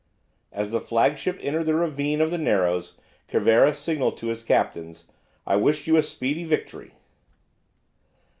As the flagship entered the ravine of the narrows Cervera signalled to his captains, "I wish you a speedy victory!"